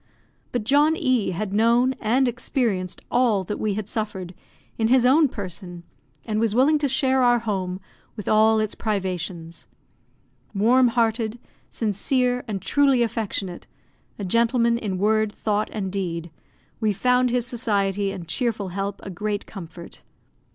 But John E had known and experienced all that we had suffered, in his own person, and was willing to share our home with all its privations. Warm hearted, sincere, and truly affectionate a gentleman in word, thought, and deed we found his society and cheerful help a great comfort.